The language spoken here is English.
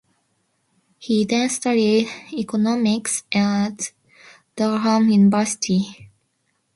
He then studied Economics at Durham University.